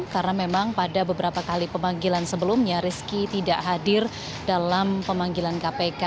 karena memang pada beberapa kali pemanggilan sebelumnya rizki tidak hadir dalam pemanggilan kpk